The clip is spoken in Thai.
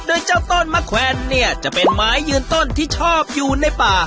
โดยเจ้าต้นมะแขวนเนี่ยจะเป็นไม้ยืนต้นที่ชอบอยู่ในป่า